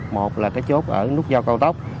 một là chốt ở nút giao cao tốc